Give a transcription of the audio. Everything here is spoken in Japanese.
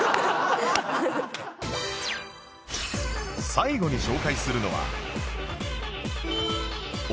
最後に紹介するのは